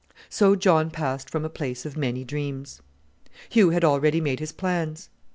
So John passed from a place of many dreams. Hugh had already made his plans.